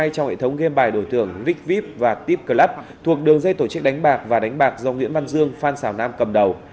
trong hệ thống game bài đổi thường vipvip và tip club thuộc đường dây tổ chức đánh bạc và đánh bạc do nguyễn văn dương phan xào nam cầm đầu